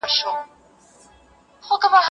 دا امادګي له هغه ګټور دی!